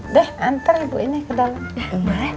deh antar ibu ini ke dalam